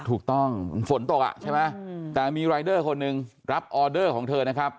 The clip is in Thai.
ถูกต้องฝนตกอ่ะใช่ไหมแต่มีรายเดอร์คนหนึ่งรับออเดอร์ของเธอนะครับ